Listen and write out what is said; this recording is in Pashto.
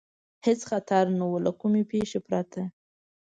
هېڅ خطر نه و، له کومې پېښې پرته.